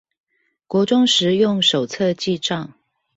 國中時用手冊記帳